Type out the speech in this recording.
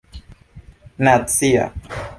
nacia